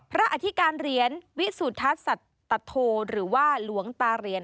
อธิการเหรียญวิสุทัศนสัตโธหรือว่าหลวงตาเหรียญ